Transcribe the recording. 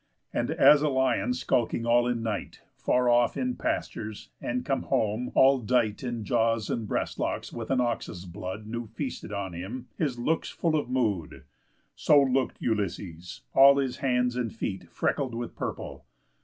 And as a lion skulking all in night, Far off in pastures, and come home, all dight In jaws and breast locks with an ox's blood New feasted on him, his looks full of mood; So look'd Ulysses, all his hands and feet Freckled with purple.